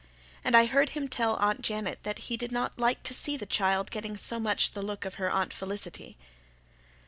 And I heard him tell Aunt Janet that he did not like to see the child getting so much the look of her Aunt Felicity.